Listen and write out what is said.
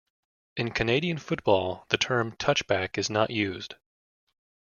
In Canadian football the term "touchback" is not used.